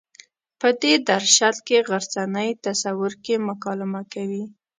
په دې درشل کې غرڅنۍ تصور کې مکالمه کوي.